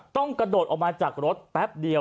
กระโดดออกมาจากรถแป๊บเดียว